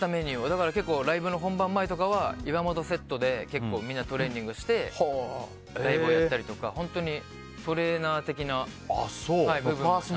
だから、ライブの本番前とかは岩本セットで結構みんなトレーニングしてライブをやったりとか本当にトレーナー的な部分も。